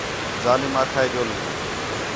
ظالم آکھا ہِے ڄُل